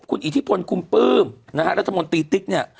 คุณอิทธิพลคุมปลื้มนะฮะรัฐมนตรีติ๊กเนี่ย